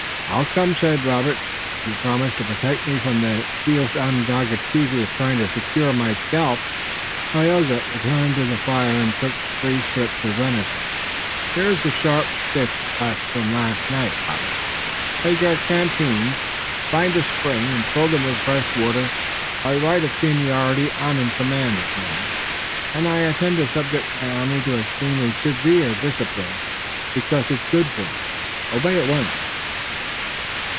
"I'll come," said Robert, "if you promise to protect me from this fierce Onondaga chief who is trying to secure my scalp." "Tayoga, return to the fire and cook these strips of venison. Here is the sharp stick left from last night. Robert, take our canteens, find a spring and fill them with fresh water. By right of seniority I'm in command this morning, and I intend to subject my army to extremely severe discipline, because it's good for it. Obey at once!"